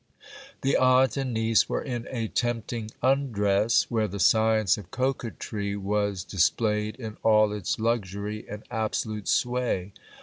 The aunt and niece were in a tempting undress, where the science of coquetry was displayed in all its luxury and absolute sway.